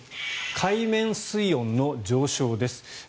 海面水温の上昇です。